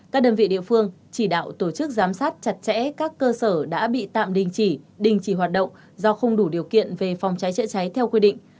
các đơn vị địa phương chỉ đạo tổ chức giám sát chặt chẽ các cơ sở đã bị tạm đình chỉ đình chỉ hoạt động do không đủ điều kiện về phòng cháy chữa cháy theo quy định